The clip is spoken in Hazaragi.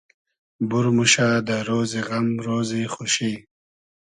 بور موشۂ دۂ رۉزی غئم رۉزی خوشی